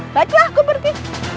baiklah aku pergi